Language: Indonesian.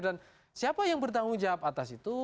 dan siapa yang bertanggung jawab atas itu